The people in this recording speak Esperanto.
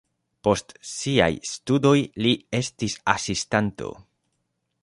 Post siaj studoj li estis asistanto.